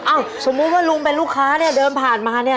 สมมุติว่าลุงเป็นลูกค้าเนี่ยเดินผ่านมาเนี่ย